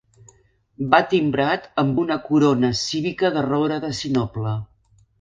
Va timbrat amb una corona cívica de roure de sinople.